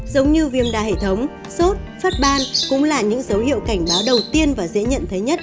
giống như viêm đa hệ thống sốt phát ban cũng là những dấu hiệu cảnh báo đầu tiên và dễ nhận thấy nhất